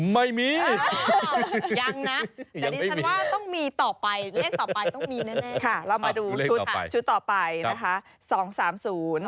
ไม่มียังนะแต่ดิฉันว่าต้องมีต่อไปเลขต่อไปต้องมีแน่